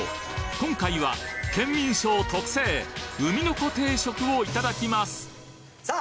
今回は『ケンミンＳＨＯＷ』特製海の子定食をいただきますさあ